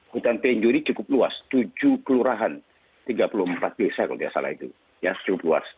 hutan tenjo ini cukup luas tujuh kelurahan tiga puluh empat desa kalau tidak salah itu ya cukup luas